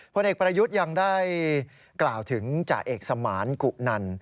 ผลเอกประยุทธ์ยังได้กล่าวถึงจ่าเอกสมานกุนัน